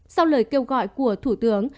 sau lời kêu gọi của thủ tướng